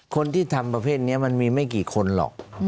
คนที่ทำประเภทนี้มันมีไม่กี่คนหรอก